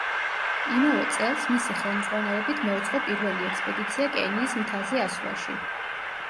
იმავე წელს, მისი ხელმძღვანელობით მოეწყო პირველი ექსპედიცია კენიის მთაზე ასვლაში.